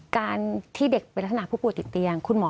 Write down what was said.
การที่เด็กไปลักษณะผู้ปวดติดเตียง